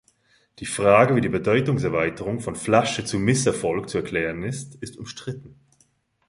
Die Frage, wie die Bedeutungserweiterung von „Flasche“ zu „Misserfolg“ zu erklären ist, ist umstritten.